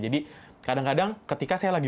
jadi kadang kadang ketika saya lagi